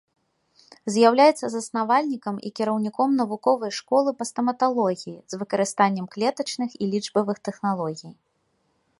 З'яўляецца заснавальнікам і кіраўніком навуковай школы па стаматалогіі з выкарыстаннем клетачных і лічбавых тэхналогій.